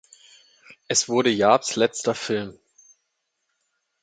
Es wurde Jabs’ letzter Film.